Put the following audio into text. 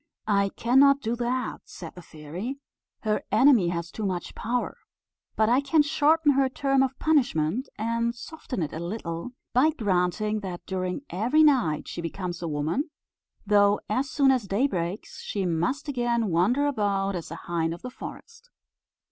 "I cannot do that," said the fairy; "her enemy has too much power; but I can shorten her term of punishment, and soften it a little, by granting that during every night she becomes a woman, though as soon as day breaks she must again wander about as a hind of the forest."